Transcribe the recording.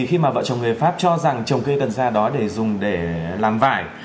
khi mà vợ trồng người pháp cho rằng trồng cây cần xa đó để dùng để làm vải